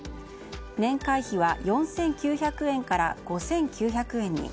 年会費は４９００円から５９００円に。